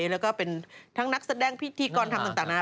แล้วก็เป็นทั้งนักแสดงพิธีกรทำต่างนะ